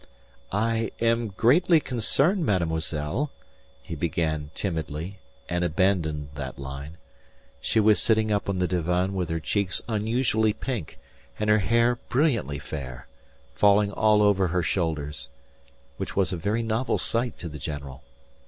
"I am greatly concerned, mademoiselle," he began timidly, and abandoned that line. She was sitting up on the divan with her cheeks unusually pink, and her hair brilliantly fair, falling all over her shoulders which was a very novel sight to the general.